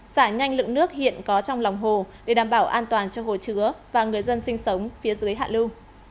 xả nhanh lượng nước hiện có trong lòng hồ để đảm bảo an toàn cho hồ chứa và người dân sinh sống phía dưới hạ lưu